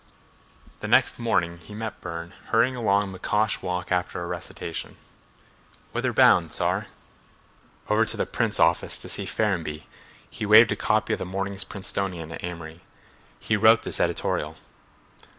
The next morning he met Burne hurrying along McCosh walk after a recitation. "Whither bound, Tsar?" "Over to the Prince office to see Ferrenby," he waved a copy of the morning's Princetonian at Amory. "He wrote this editorial."